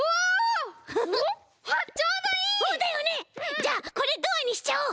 じゃあこれドアにしちゃおう！